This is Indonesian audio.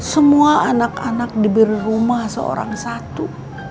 semua anak anak diberi rumah seorang satu